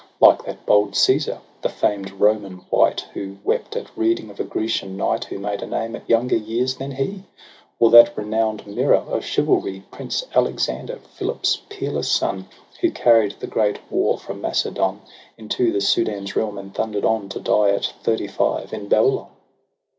Like that bold Caesar, the famed Roman wight, Who wept at reading of a Grecian knight Who made a name at younger years than he ; Or that renown' d mirror of chivalry, Prince Alexander, Philip's peerless son, Who carried the great war from IMacedon Into the Soudan's realm, and thundered on To die at thirty five in Babylon.